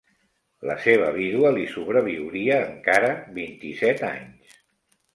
La seva vídua li sobreviuria encara vint-i-set anys.